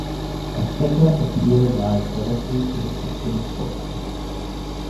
A second appeal lies directly to the Supreme Court.